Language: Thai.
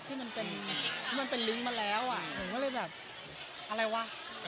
ที่มันเป็นลิงก์มาแล้วผมก็เลยแบบอะไรวะ